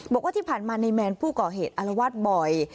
บอกว่าที่ผ่านมาในแมนผู้ก่อเหตุอารวาสบ่อย